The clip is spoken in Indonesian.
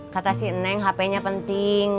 kata si neng hp nya penting